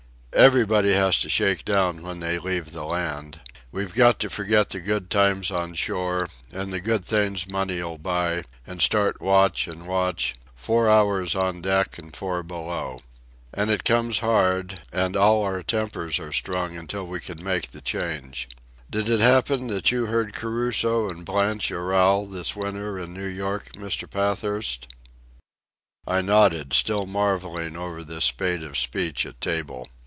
"Everybody has to shake down when they leave the land. We've got to forget the good times on shore, and the good things money'll buy, and start watch and watch, four hours on deck and four below. And it comes hard, and all our tempers are strung until we can make the change. Did it happen that you heard Caruso and Blanche Arral this winter in New York, Mr. Pathurst?" I nodded, still marvelling over this spate of speech at table.